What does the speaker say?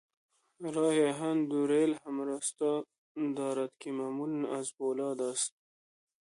راه آهن دو ریل همراستا دارد که معمولاً از فولاد است.